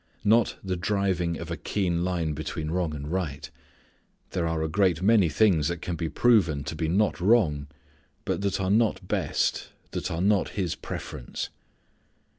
Not the driving of a keen line between wrong and right. There are a great many things that can be proven to be not wrong, but that are not best, that are not His preference.